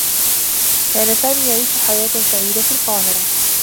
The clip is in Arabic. كان سامي يعيش حياة سعيدة في القاهرة.